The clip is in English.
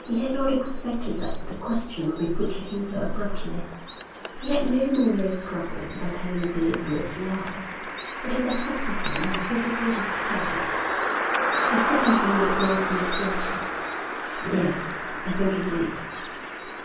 He had not expected that the question would be put to him so abruptly. He had no moral scruples about telling a deliberate lie, but it affected him with a physical distaste. It sickened him like nauseous water. 'Yes, I think he did.'